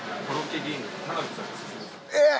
えっ！